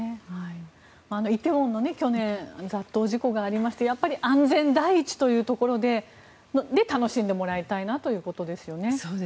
梨泰院の去年、雑踏事故がありまして安全第一というところで楽しんでもらいたいなということですよね。